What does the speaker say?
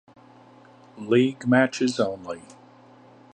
"League matches only"